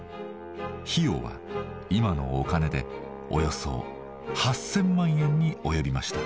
費用は今のお金でおよそ８，０００万円に及びました。